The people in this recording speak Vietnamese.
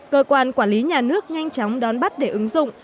cơ quan quản lý nhà nước nhanh chóng đón bắt để ứng dụng